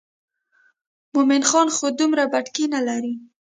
مومن خان خو دومره بتکۍ نه لري.